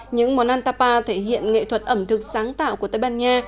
những món ăn tapa thể hiện nghệ thuật ẩm thực sáng tạo của tây ban nha